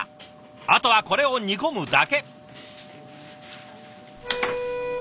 あとはこれを煮込むだけ。